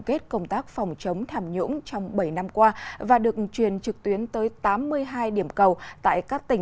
xin chào và hẹn gặp lại